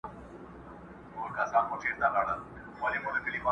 o څه لاس تر منځ، څه غر تر منځ٫